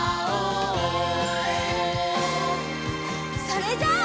それじゃあ。